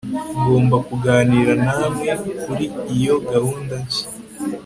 Ngomba kuganira nawe kuri iyo gahunda nshya